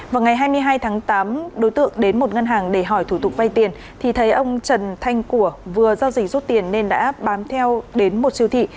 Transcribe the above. vào ngày hai mươi hai tháng tám đối tượng đến một ngân hàng để hỏi thủ tục vay tiền thì thấy ông trần thanh của vừa giao dịch rút tiền nên đã bám theo đến một siêu thị